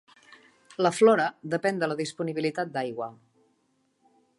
La flora depèn de la disponibilitat d'aigua.